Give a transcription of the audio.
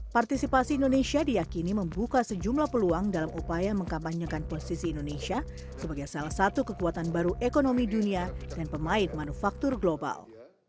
partisipasi indonesia diakini membuka sejumlah peluang dalam upaya mengkampanyekan posisi indonesia sebagai salah satu kekuatan baru ekonomi dunia dan pemain manufaktur global